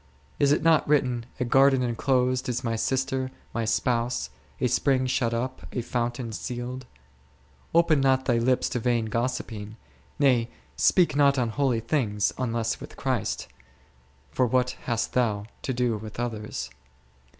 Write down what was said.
Is it not written, a garden enclosed is My sister, My spouse ; a spring shut up, a fountain sealed P Open not thy lips to vain gossiping : nay, speak not on holy things, unless with Christ ; for what hast thou to do with others